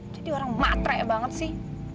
jadi orang matre banget sih